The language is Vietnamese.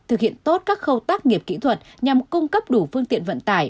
thực hiện tốt các khâu tác nghiệp kỹ thuật nhằm cung cấp đủ phương tiện vận tải